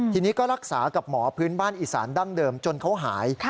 ทีนี้ก็รักษากับหมอพื้นบ้านอีสานดั้งเดิมจนเขาหาย